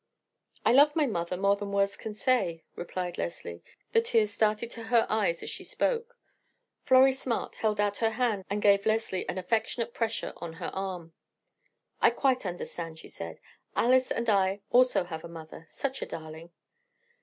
"I love my mother more than words can say," replied Leslie. The tears started to her eyes as she spoke. Florrie Smart held out her hand and gave Leslie an affectionate pressure on her arm. "I quite understand," she said. "Alice and I also have a mother—such a darling."